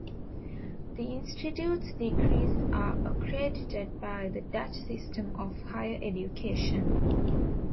The institute's degrees are accredited by the Dutch system of higher education.